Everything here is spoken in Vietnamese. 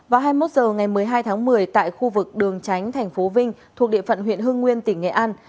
vào hai mươi một h ngày một mươi hai tháng một mươi tại khu vực đường tránh thành phố vinh thuộc địa phận huyện hương nguyên tỉnh nghệ an